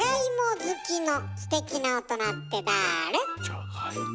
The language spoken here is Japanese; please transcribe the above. じゃがいも。